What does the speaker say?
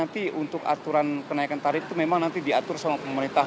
nanti untuk aturan kenaikan tarif itu memang nanti diatur sama pemerintah